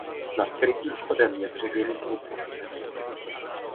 Nad krytým vchodem je dřevěný krucifix.